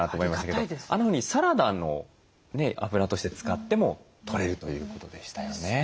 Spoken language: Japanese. あんなふうにサラダのあぶらとして使ってもとれるということでしたよね。